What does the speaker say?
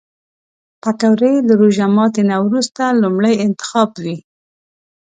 پکورې له روژه ماتي نه وروسته لومړی انتخاب وي